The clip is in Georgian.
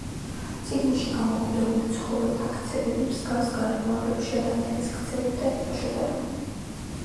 წიგნში გამოკვლეული ცხოველთა ქცევები მსგავს გარემოებებში ადამიანის ქცევებთან იყო შედარებული.